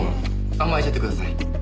甘えちゃってください。